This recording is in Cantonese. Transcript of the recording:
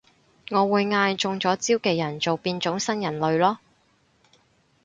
我會嗌中咗招嘅人做變種新人類囉